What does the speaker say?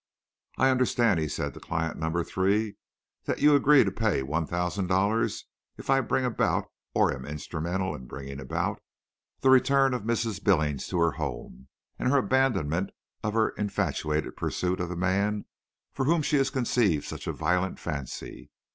"I understand," he said to client number three, "that you agree to pay one thousand dollars if I bring about, or am instrumental in bringing about, the return of Mrs. Billings to her home, and her abandonment of her infatuated pursuit of the man for whom she has conceived such a violent fancy.